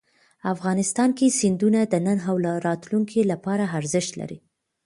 افغانستان کې سیندونه د نن او راتلونکي لپاره ارزښت لري.